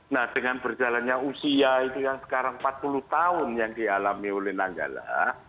nah dengan berjalannya usia itu yang sekarang empat puluh tahun yang dialami oleh nanggala